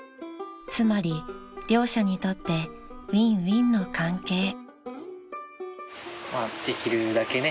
［つまり両者にとってウィンウィンの関係］